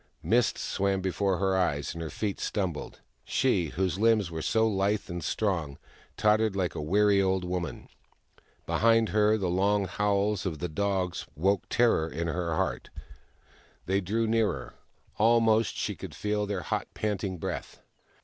Mists swam before her eyes, and her feet stumbled : she, whose limbs were so lithe and strong, tottered like a weary old woman. Behind her, the long howls of the dogs woke terror in her heart. They drew 148 THE MAIDEN WHO FOUND THE MOON nearer ; almost she could feel their hot panting breath.